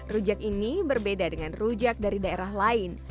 rujak ini berbeda dengan rujak dari daerah lain